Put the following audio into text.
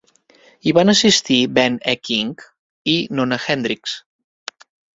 Hi van assistir Ben E. King i Nona Hendrix.